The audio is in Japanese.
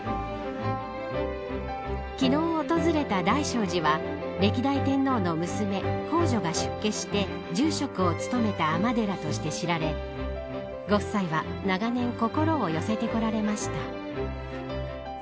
昨日訪れた大聖寺は歴代天皇の娘、皇女が出家して住職を務めた尼寺として知られご夫妻は長年心を寄せてこられました。